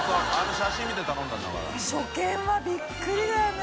初見はびっくりだよね